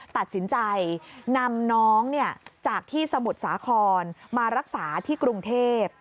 ตัดสินใจนำน้องจากที่สมุทรสาครมารักษาที่กรุงเทพ